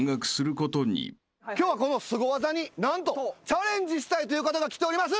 今日はこのスゴ技に何とチャレンジしたいという方が来ております。